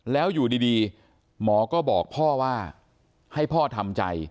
แล้วอยู่ดีหมอก็บอกพ่อว่าให้พ่อทำใจ